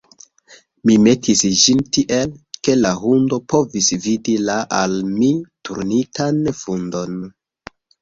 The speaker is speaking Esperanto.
Mi metis ĝin tiel, ke la hundo povis vidi la al mi turnitan fundon.